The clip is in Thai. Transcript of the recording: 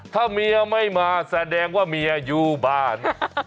ถ้าเมียไม่มาแสดงว่าเมียอยู่บ้าน